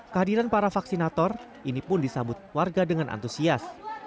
kehadiran para vaksinator ini pun disambut warga dengan antusias